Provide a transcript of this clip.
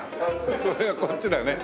それがこっちだね。